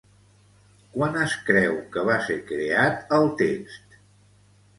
Quan es creu que va ser creat el text?